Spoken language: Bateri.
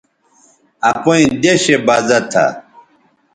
اپئیں دیشےبزہ تھہ